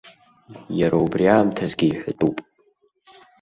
Иара убри аамҭазгьы иҳәатәуп.